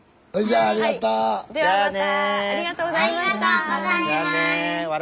ありがとうございます。